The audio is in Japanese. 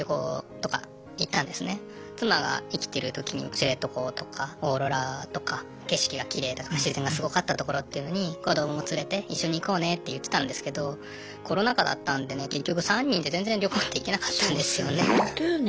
妻が生きてるときに知床とかオーロラとか景色がきれいだとか自然がすごかった所っていうのに子どもも連れて一緒に行こうねって言ってたんですけどコロナ禍だったんでね結局３人で全然旅行って行けなかったんですよね。